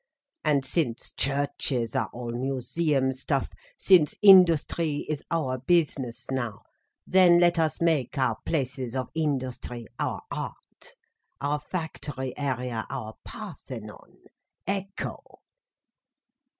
And since churches are all museum stuff, since industry is our business, now, then let us make our places of industry our art—our factory area our Parthenon, _ecco!